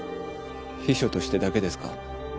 秘書としてだけですか？